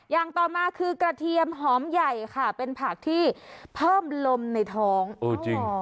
อย่างต่อมาคือกระเทียมหอมใหญ่ค่ะเป็นผักที่เพิ่มลมในท้องเออจริง